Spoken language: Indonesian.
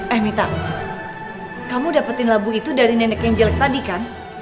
eh mita kamu dapetin labu itu dari nenek yang jelek tadi kan